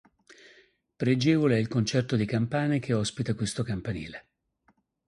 Pregevole è il concerto di campane che ospita questo campanile.